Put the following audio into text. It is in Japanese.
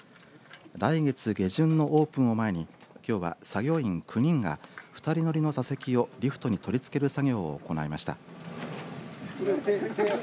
来月下旬のオープンを前にきょうは作業員９人が２人乗りの座席をリフトに取り付ける作業を行いました。